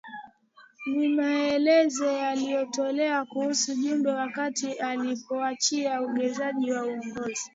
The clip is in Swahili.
Ni maelezo yaliyotolewa kuhusu Jumbe wakati alipoachia ngazi za uongozi